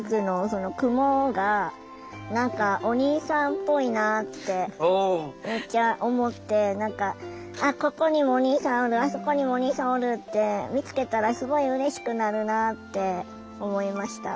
その雲が何かお兄さんっぽいなってめっちゃ思ってあっここにもお兄さんおるあそこにもお兄さんおるって見つけたらすごいうれしくなるなって思いました。